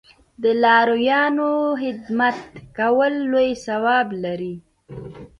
د لارویانو خدمت کول لوی ثواب لري.